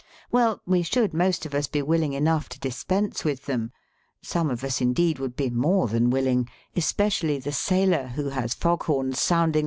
Well, we should most of us be willing enough to dis pense with them ; some of us, indeed, would be more than willing, especially the sailor, who has fog horns sounding 20 THE WORLD'S LUMBER ROOM.